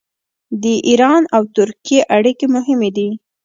د ایران او ترکیې اړیکې مهمې دي.